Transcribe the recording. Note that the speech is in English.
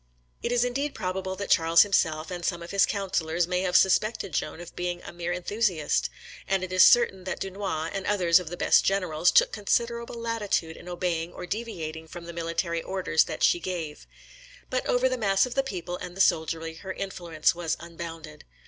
It is indeed probable that Charles himself, and some of his counsellors, may have suspected Joan of being a mere enthusiast; and it is certain that Dunois, and others of the best generals, took considerable latitude in obeying or deviating from the military orders that she gave. But over the mass of the people and the soldiery, her influence was unbounded.